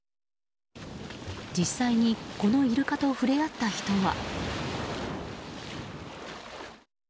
実際にこのイルカと触れ合った人は。